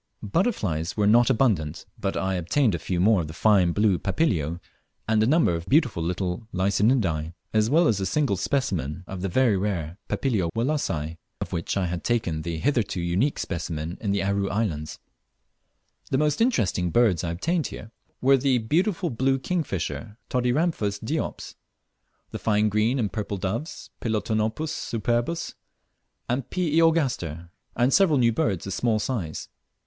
Butterflies were not abundant, but I obtained a few more of the fine blue Papilio, and a number of beautiful little Lycaenidae, as well as a single specimen of the very rare Papilio Wallacei, of which I had taken the hitherto unique specimen in the Aru Islands. The most interesting birds I obtained here, were the beautiful blue kingfisher, Todiramphus diops; the fine green and purple doves, Ptilonopus superbus and P. iogaster, and several new birds of small size.